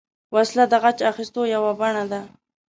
وسله د غچ اخیستو یوه بڼه ده